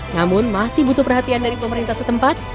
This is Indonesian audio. namun masih butuh perhatian dari pemerintah setempat